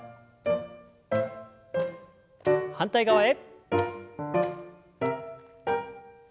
反対側へ。